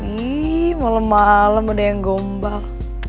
ihh malem malem ada yang gombal